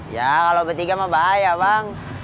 ya kalau bertiga mah bahaya bang